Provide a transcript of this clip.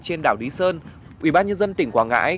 trên đảo lý sơn ubnd tỉnh quảng ngãi